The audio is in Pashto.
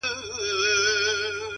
دغه جلال او دا جمال د زلفو مه راوله،